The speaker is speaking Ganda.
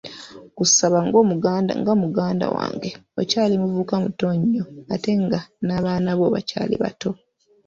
Nkusaba nga muganda wange, okyali muvubuka muto ate nga n'abaana bo bakyali bato.